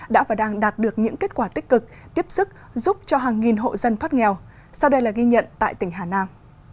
đã và đang đạt được những kết quả tích cực tiếp sức giúp cho hàng nghìn hộ dân thoát nghèo sau đây là ghi nhận tại tỉnh hà nam